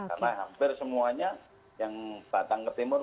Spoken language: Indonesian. karena hampir semuanya yang batang ke timur